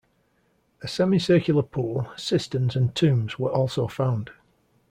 A semi-circular pool, cisterns and tombs were also found.